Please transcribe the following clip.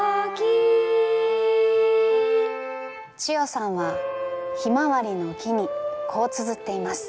千代さんは「ひまわりの記」にこうつづっています。